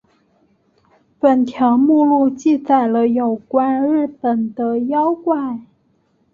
本条目记载了有关日本的妖怪。